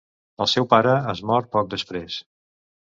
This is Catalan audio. El seu pare es mor poc després.